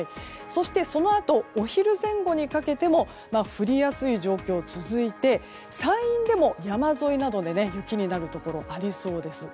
そして、そのあとお昼前後にかけても降りやすい状況が続いて山陰でも山沿いなどで雪になるところありそうです。